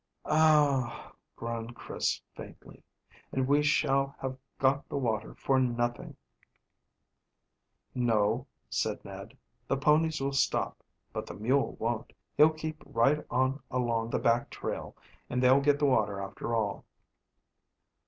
"Oh!" groaned Chris faintly. "And we shall have got the water for nothing." "No," said Ned. "The ponies will stop, but the mule won't; he'll keep right on along the back trail, and they'll get the water after all."